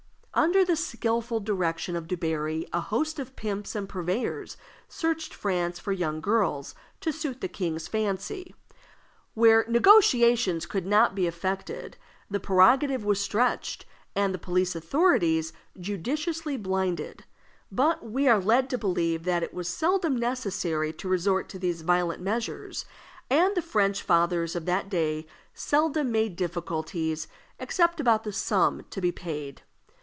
Under the skillful directions of Dubarry, a host of pimps and purveyors searched France for young girls to suit the king's fancy. Where negotiations could not be effected, the prerogative was stretched, and the police authorities judiciously blinded; but we are led to believe that it was seldom necessary to resort to these violent measures, and that French fathers of that day seldom made difficulties except about the sum to be paid.